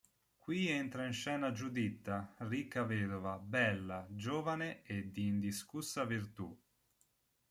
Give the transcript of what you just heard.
Qui entra in scena Giuditta, ricca vedova, bella, giovane e di indiscussa virtù.